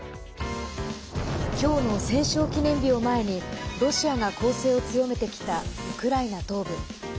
きょうの戦勝記念日を前にロシアが攻勢を強めてきたウクライナ東部。